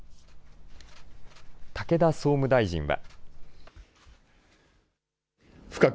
武田総務大臣は。